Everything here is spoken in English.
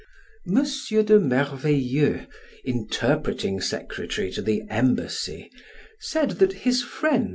M. de Mervilleux interpreting secretary to the embassy, said, that his friend, M.